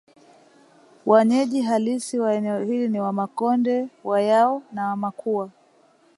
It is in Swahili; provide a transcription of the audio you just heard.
Wanyeji halisi wa eneo hili ni Wamakonde Wayao na Wamakua